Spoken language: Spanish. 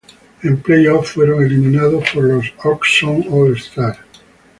En playoffs fueron eliminados por los Oshkosh All-Stars.